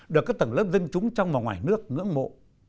được các tầng lớp dân chúng trong và ngoài nước ngưỡng mộ